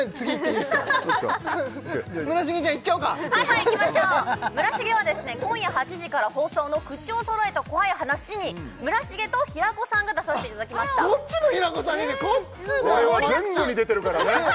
そうですか村重ちゃんいっちゃおうかはいはいいきましょう村重はですね今夜８時から放送の「口を揃えた怖い話」に村重と平子さんが出させていただきましたこっちも平子さん出て俺は全部に出てるからね